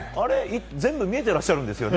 全部見えてらっしゃるんですよね？